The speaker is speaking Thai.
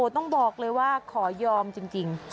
ต้องบอกเลยว่าขอยอมจริง